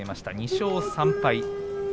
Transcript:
２勝３敗。